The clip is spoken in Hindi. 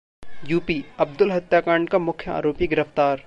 यूपी: अब्दुल हत्याकांड का मुख्य आरोपी गिरफ्तार